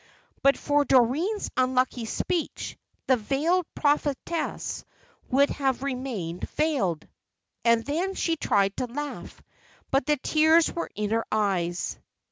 But for Doreen's unlucky speech, the Veiled Prophetess would have remained veiled." And then she tried to laugh; but the tears were in her eyes.